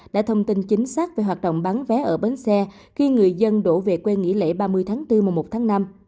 đã thông tin chính xác về hoạt động bán vé ở bến xe khi người dân đổ về quê nghỉ lễ ba mươi tháng bốn mùa một tháng năm